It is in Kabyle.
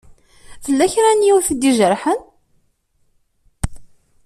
Tella kra n yiwet i d-ijerḥen?